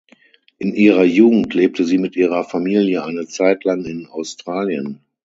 In ihrer Jugend lebte sie mit ihrer Familie eine Zeit lang in Australien.